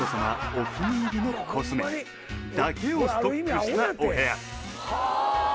お気に入りのコスメだけをストックしたお部屋